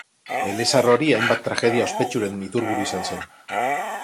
Elezahar hori hainbat tragedia ospetsuren iturburu izan zen.